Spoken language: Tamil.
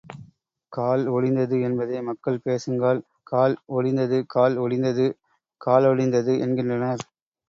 கால் ஒடிந்தது என்பதை மக்கள் பேசுங்கால், கால் ஒடிந்தது கால் ஒடிந்தது காலொடிந்தது என்கின்றனர்.